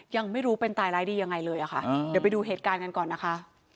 ยังไม่รู้เป็นตายร้ายดียังไงเลยอะค่ะเดี๋ยวไปดูเหตุการณ์กันก่อนนะคะ